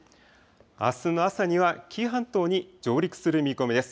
あすの朝には紀伊半島に上陸する見込みです。